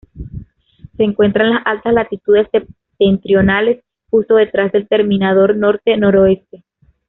Se encuentra en las altas latitudes septentrionales, justo detrás del terminador norte-noroeste.